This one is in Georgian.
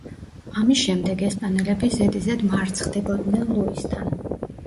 ამის შემდეგ ესპანელები ზედიზედ მარცხდებოდნენ ლუისთან.